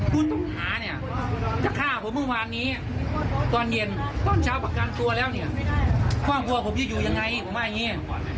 มันจะตายเหมือนที่เป็นข่าวผมเอาอย่างนี้